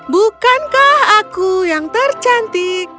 bukankah aku yang tercantik